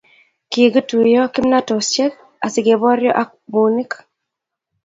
Kikituyo kimnatosiek asi koboryo ak bunik